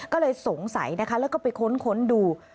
ก็เลยสงสัยนะคะแล้วก็ไปค้นดู